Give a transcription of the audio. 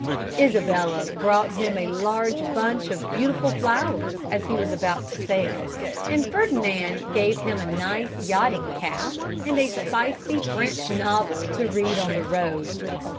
Isabella brought him a large bunch of beautiful flowers as he was about to sail, and Ferdinand gave him a nice yachting cap and a spicy French novel to read on the road.